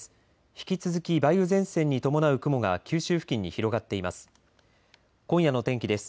引き続き梅雨前線に伴う雲が九州付近に広がっています。